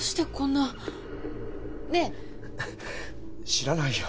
知らないよ。